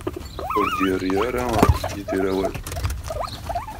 Ur d-yerri ara Yidir awal.